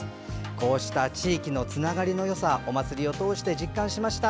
こうした地域のつながりのよさをお祭りを通して実感しました。